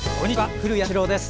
古谷敏郎です。